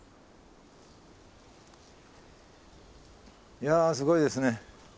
いやすごいですね。